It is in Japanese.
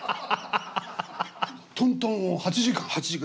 トントンを８時間？８時間。